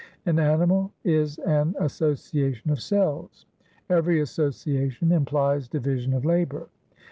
An animal is an association of cells. Every association implies division of labour.